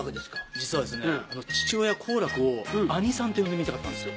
実はですね父親・好楽を兄さんって呼んでみたかったんですよ。